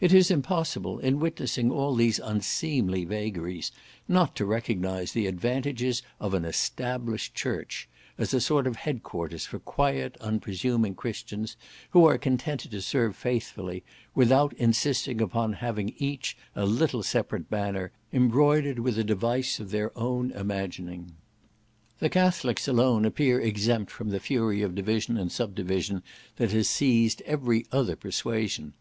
It is impossible, in witnessing all these unseemly vagaries, not to recognise the advantages of an established church as a sort of headquarters for quiet unpresuming Christians, who are contented to serve faithfully, without insisting upon having each a little separate banner, embroidered with a device of their own imagining. The Catholics alone appear exempt from the fury of division and sub division that has seized every other persuasion.